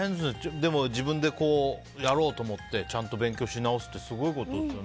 でも自分でやろうと思って勉強し直すってすごいことですよね。